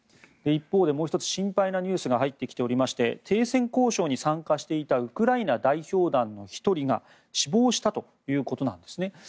一方でもう１つ心配なニュースが入ってきておりまして停戦交渉に参加していたウクライナ代表団の１人が死亡したということです。